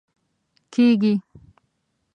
کیږي